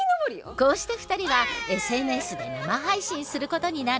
こうして二人はＳＮＳで生配信することになる。